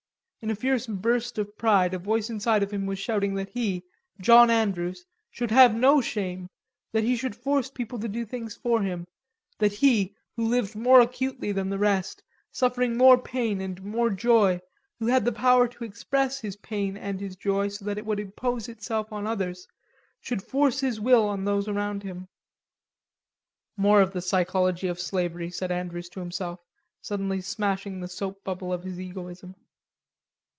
In a fierce burst of pride a voice inside of him was shouting that he, John Andrews, should have no shame, that he should force people to do things for him, that he, who lived more acutely than the rest, suffering more pain and more joy, who had the power to express his pain and his joy so that it would impose itself on others, should force his will on those around him. "More of the psychology of slavery," said Andrews to himself, suddenly smashing the soap bubble of his egoism.